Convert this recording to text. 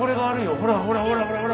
ほらほらほらほらほら。